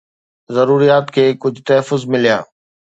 ضروريات کي ڪجهه تحفظ مليا